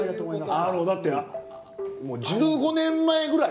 あのだってもう１５年前ぐらい？